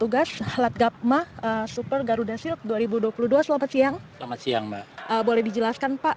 tugas alat gapma super garuda shield dua ribu dua puluh dua selamat siang selamat siang mbak boleh dijelaskan pak